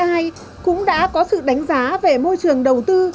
các doanh nghiệp fdi cũng đã có sự đánh giá về môi trường đầu tư